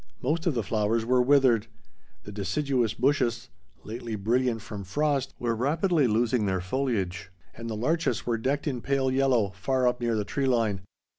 Most of the flowers were withered. The deciduous bushes, lately brilliant from frost, were rapidly losing their foliage, and the larches were decked in pale yellow, far up near the tree line.